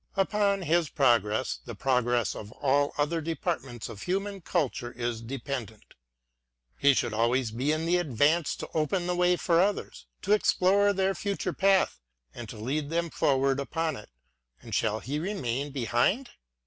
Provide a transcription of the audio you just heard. Upon his progress, the progress of all other departments of human culture is dependent : he should always be in advance to open the way for others, to explore their future path, and to lead them forward upon it ;— and shall he remain behind?